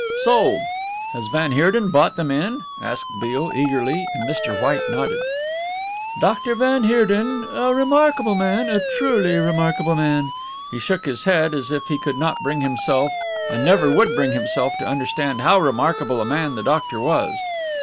"Sold! Has van Heerden bought them in?" asked Beale eagerly; and Mr. White nodded. "Doctor van Heerden, a remarkable man, a truly remarkable man." He shook his head as if he could not bring himself and never would bring himself to understand how remarkable a man the doctor was.